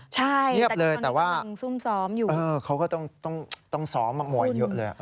ใช่ตอนนี้ตอนนี้ต้องซุ่มซ้อมอยู่เงียบเลยแต่ว่าเขาก็ต้องซ้อมมากมวยเยอะเลย